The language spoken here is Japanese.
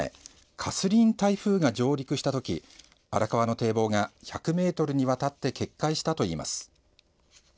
カスリーン台風が上陸したとき荒川の堤防が１００ｍにわたって決壊したといいます。